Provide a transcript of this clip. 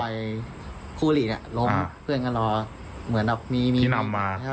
ไอ้คู่หลีเนี่ยล้มเพื่อนก็รอเหมือนแบบมีมีนำมา